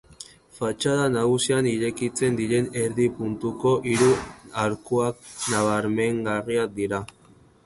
Fatxada nagusian irekitzen diren erdi-puntuko hiru arkuak nabarmengarriak dira.